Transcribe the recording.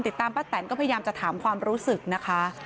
ป้าแตนก็พยายามจะถามความรู้สึกนะคะ